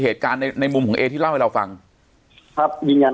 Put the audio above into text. เหตุการณ์ในในมุมของเอที่เล่าให้เราฟังครับมีงาน